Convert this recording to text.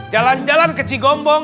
jalan jalan keci gombong